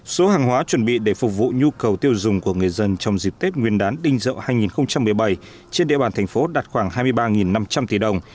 số hàng hóa chuẩn bị để phục vụ nhu cầu tiêu dùng của người dân trong dịp tết nguyên đán đinh dậu hai nghìn một mươi bảy trên địa bàn thành phố đạt khoảng hai mươi ba năm trăm linh tỷ đồng